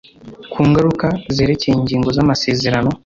Ku ngaruka zerekeye ingingo z amasezerano